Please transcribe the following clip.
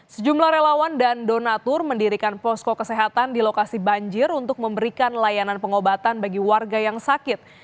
sejumlah relawan dan donatur mendirikan posko kesehatan di lokasi banjir untuk memberikan layanan pengobatan bagi warga yang sakit